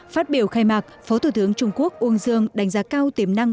phát biểu khai mạc phó thủ tướng trung quốc uông dương đánh giá cao tiềm năng